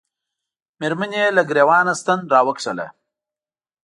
مېرمنې یې له ګرېوان ستن را وکښله.